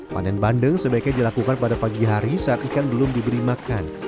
panen bandeng sebaiknya dilakukan pada pagi hari saat ikan belum diberi makan